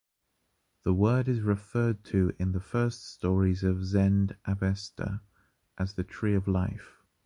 The word is referred to in the first stories of Zend-Avesta as the tree of life.